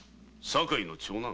酒井の長男？